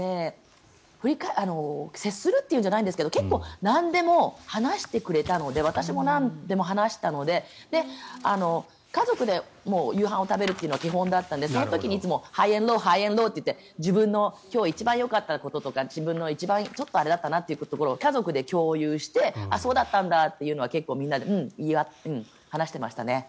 接するというんじゃないんですけど結構、なんでも話してくれたので私もなんでも話したので家族で夕飯を食べるというのは基本だったのでその時にいつもハイアンドローハイアンドローといって自分の今日、一番よかったこと自分がちょっとあれだったことを家族で共有してそうだったんだというのは結構、みんなで話してましたね。